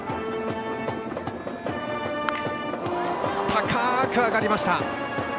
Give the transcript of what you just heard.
高く上がりました。